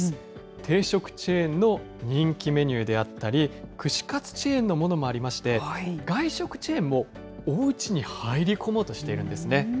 定食チェーンの人気メニューであったり、串カツチェーンのものもありまして、外食チェーンもおうちに入り込もうとしているんですね。